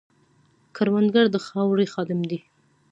کروندګر د خاورې خادم دی